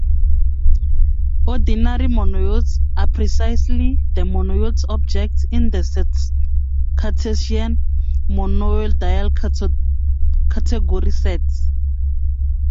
Ordinary monoids are precisely the monoid objects in the cartesian monoidal category Set.